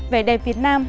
vẻ đẹp việt nam